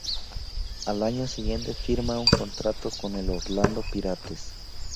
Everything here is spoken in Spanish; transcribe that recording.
Al año siguiente firma un contrato con el Orlando Pirates.